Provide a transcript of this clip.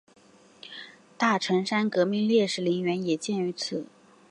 大城山革命烈士陵园也建于此。